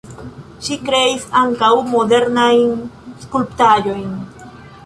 Ŝi kreis ankaŭ modernajn skulptaĵojn.